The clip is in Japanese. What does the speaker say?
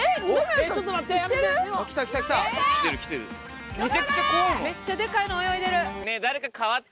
ちょっと待って！